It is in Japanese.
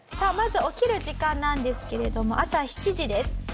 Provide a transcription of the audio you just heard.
まず起きる時間なんですけれども朝７時です。